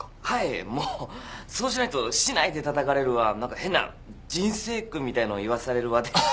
はいもうそうしないと竹刀でたたかれるわ何か変な人生訓みたいの言わされるわで。